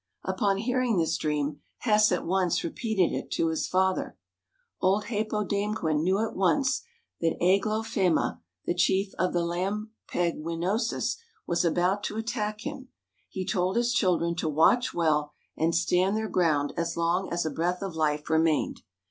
Upon hearing this dream, Hess at once repeated it to his father. Old Hāpōdāmquen knew at once that "Āglōfemma," the chief of the "Lampegwinosis," was about to attack him. He told his children to watch well, and stand their ground as long as a breath of life remained.